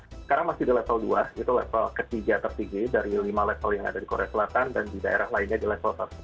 sekarang masih di level dua itu level ketiga tertinggi dari lima level yang ada di korea selatan dan di daerah lainnya di level satu lima